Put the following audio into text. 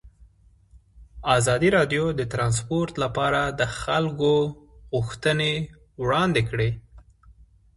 ازادي راډیو د ترانسپورټ لپاره د خلکو غوښتنې وړاندې کړي.